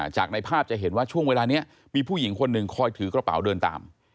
จากในภาพจะเห็นว่าช่วงเวลานี้มีผู้หญิงคนหนึ่งคอยถือกระเป๋าเดินตาม